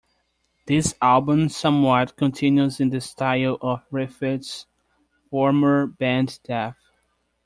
This album somewhat continues in the style of Reifert's former band Death.